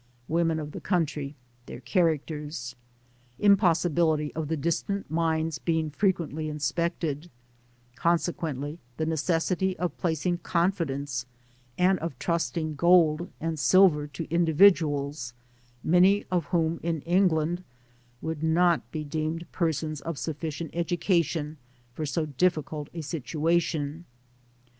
Women of the country — their characters. — Impossibility of the distant mines being frequently inspected ; consequently, the necessity of placing confidence, and of trusting gold and silver to indi viduals, many of whom in England would not be deemed persons of sufficient education for so diffi cult a situation.